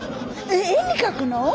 絵に描くの？